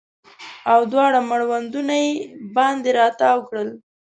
او دواړه مړوندونه یې باندې راتاو کړه